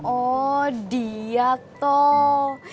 oh dia toh